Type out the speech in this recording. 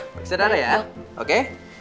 periksa darah ya oke